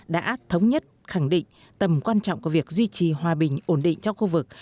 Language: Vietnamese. đã thống nhất khẳng định tầm quan trọng của việc duy trì hòa bình ổn định trong khu vực